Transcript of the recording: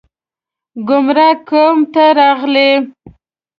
ګمراه قوم ته راغلي